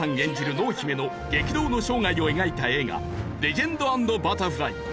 濃姫の激動の生涯を描いた映画『レジェンド＆バタフライ』。